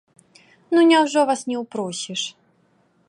Ну няўжо вас не ўпросіш?!